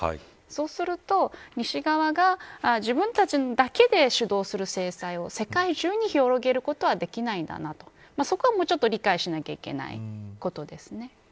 そうすると西側が自分たちだけで主導する制裁を世界中に広げることはできないんだなとそこは、もうちょっと理解しなきゃいけないことですね。